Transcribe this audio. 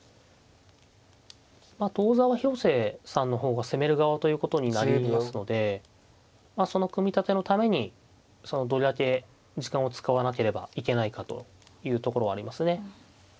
まあ当座は広瀬さんの方が攻める側ということになりますのでその組み立てのためにどれだけ時間を使わなければいけないかというところはありますね。